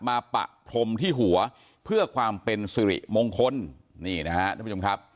ปะพรมที่หัวเพื่อความเป็นสิริมงคลนี่นะฮะท่านผู้ชมครับ